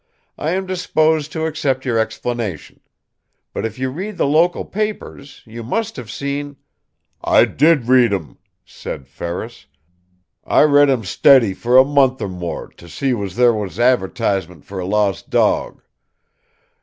"I am disposed to accept your explanation. But if you read the local papers you must have seen " "I did read 'em," said Ferris. "I read 'em steady for a month or more, to see was there was adv'tisement fer a lost dawg.